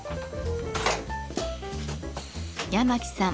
八巻さん